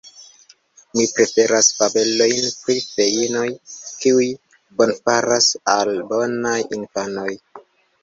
Mi preferas fabelojn pri feinoj, kiuj bonfaras al bonaj infanoj.